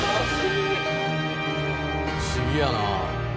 不思議やな。